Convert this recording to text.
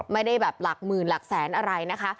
ไม่ได้แบบหลักหมื่นหลักแสนอะไรนะคะ